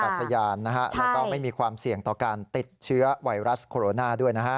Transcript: แล้วก็ไม่มีความเสี่ยงต่อการติดเชื้อไวรัสโคโรนาด้วยนะฮะ